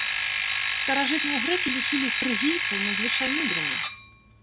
Старажытныя грэкі лічылі фрыгійцаў надзвычай мудрымі.